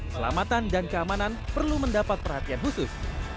selamatan dan keamanan perlu mendapat perhatian khusus